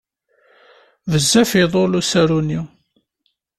Bezzaf iḍul usaru-nni.